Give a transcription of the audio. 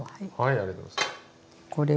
ありがとうございます。